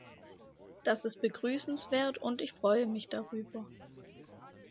Das ist begrüßenswert, und ich freue mich darüber.